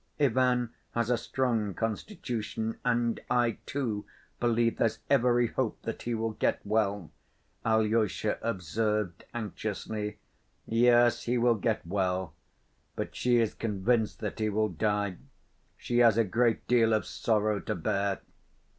"Ivan has a strong constitution, and I, too, believe there's every hope that he will get well," Alyosha observed anxiously. "Yes, he will get well. But she is convinced that he will die. She has a great deal of sorrow to bear..."